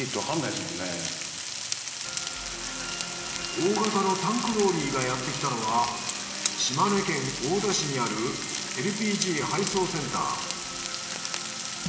大型のタンクローリーがやってきたのは島根県大田市にあるＬＰＧ配送センター